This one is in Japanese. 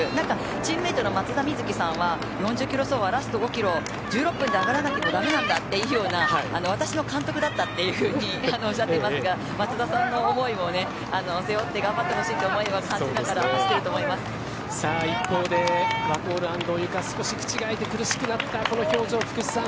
チームメートの松田瑞生さんは４０キロ走はラスト５キロ上がらないとだめなんだと私の監督だったっておっしゃっていますが松田さんの思いを背負って頑張ってほしいという思いを感じながら一方でワコール・安藤友香少し口があいて苦しくなったこの表情、福士さん